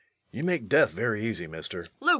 _] You make death very easy, Mister. LUKE.